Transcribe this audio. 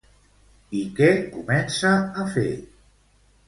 I què comença a fer?